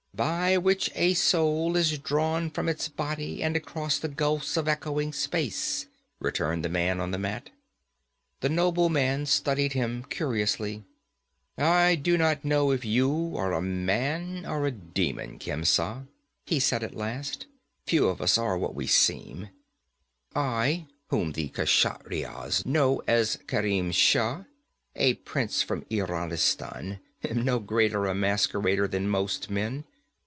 'By which a soul is drawn from its body and across gulfs of echoing space,' returned the man on the mat. The nobleman studied him curiously. 'I do not know if you are a man or a demon, Khemsa,' he said at last. 'Few of us are what we seem. I, whom the Kshatriyas know as Kerim Shah, a prince from Iranistan, am no greater a masquerader than most men.